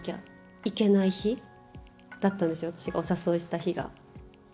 私がお誘いした日が。